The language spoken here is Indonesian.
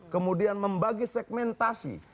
kemudian membagi segmentasi